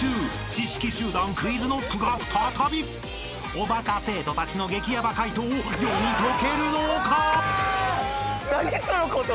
［おバカ生徒たちの激ヤバ解答を読み解けるのか！？］